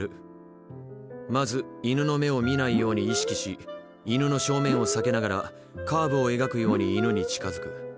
まず犬の目を見ないように意識し犬の正面を避けながらカーブを描くように犬に近づく。